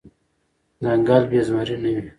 ځنګل بی زمري نه وي .